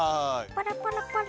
パラパラパラ。